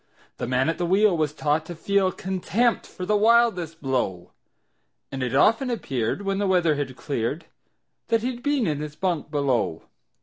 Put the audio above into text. The man at the wheel was taught to feel Contempt for the wildest blow, And it often appeared, when the weather had cleared, That he'd been in his bunk below.